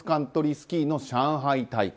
スキーの上海大会。